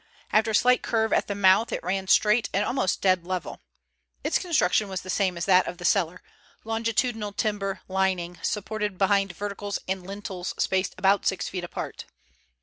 After a slight curve at the mouth it ran straight and almost dead level. Its construction was the same as that of the cellar, longitudinal timber lining supported behind verticals and lintels spaced about six feet apart.